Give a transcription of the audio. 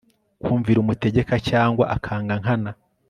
kumvira umutegeka cyangwa akanga nkana